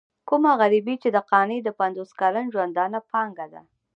کومه غريبي چې د قانع د پنځوس کلن ژوندانه پانګه ده.